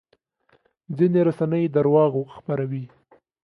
ځینې رسنۍ درواغ خپروي.